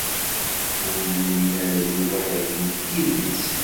Ur yumin ara Yuba d akken d tidet.